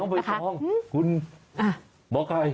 น้องเบยทองคุณหมอไก่